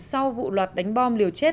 sau vụ loạt đánh bom liều chết